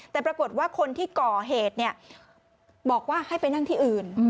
แต่ปรากฏว่าคนที่ก่อเหตุบอกว่าให้ไปนั่งที่อื่น